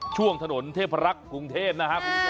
ช่วงถนนเทพรักษณ์กรุงเทพนะครับ